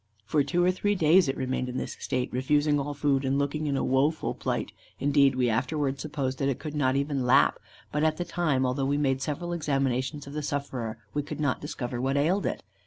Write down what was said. For two or three days it remained in this state, refusing all food, and looking in a woeful plight; indeed, we afterwards supposed that it could not even lap; but at the time, although we made several examinations of the sufferer, we could not discover what ailed it.